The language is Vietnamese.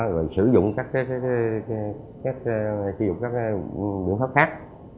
rồi sử dụng các cái biện pháp khác